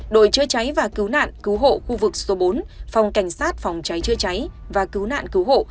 đội chữa cháy và cứu nạn cứu hộ khu vực số bốn phòng cảnh sát phòng cháy chữa cháy và cứu nạn cứu hộ